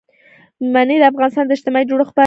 منی د افغانستان د اجتماعي جوړښت برخه ده.